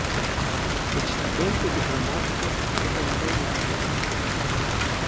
Хоць студэнты і грамадскасць гэтага даўно дабіваюцца.